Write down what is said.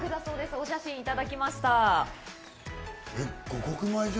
お写真をいただきました。